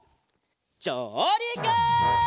じょうりく！